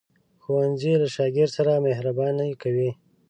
ښوونځی له شاګرد سره مهرباني کوي